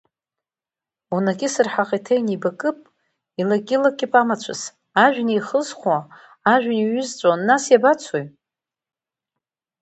Унахьысыр ҳаӷеиҭа инеибакып, илакьылакьып амацәыс, ажәҩан еихызхуа, ажәҩан еиҩызҵәо, нас иабацои?